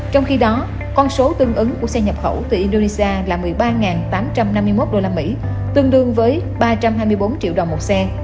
trong khi đó con số tương ứng của xe nhập khẩu từ indonesia là một mươi ba tám trăm năm mươi một usd tương đương với ba trăm hai mươi bốn triệu đồng một xe